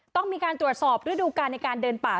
ต้องมีการตรวจสอบฤดูการในการเดินป่า